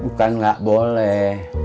bukan gak boleh